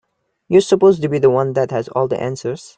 You're supposed to be the one that has all the answers.